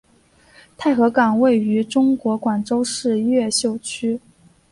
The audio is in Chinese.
太和岗位于中国广州市越秀区。